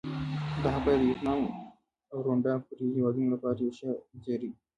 دا خبره د ویتنام او روندا پورې هېوادونو لپاره یو ښه زېری وي.